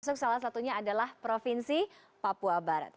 termasuk salah satunya adalah provinsi papua barat